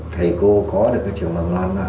thầy cô có được cái trường mầm non đó